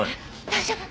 大丈夫？